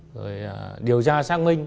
rồi điều tra xác minh